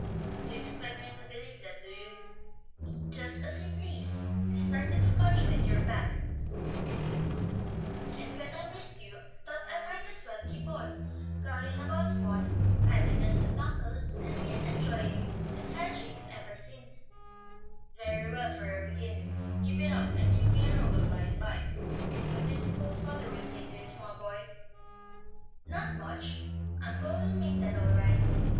"You expect me to believe that, do you?" "Just as you please. I started to catch you with your bag, and when I missed you, thought I might as well keep on. Got in about one, had dinner at uncle's, and been enjoying these high jinks ever since." "Very well, for a beginning. Keep it up and you'll be a Rowell by and by. What do you suppose father will say to you, small boy?" "Not much. Uncle will make that all right.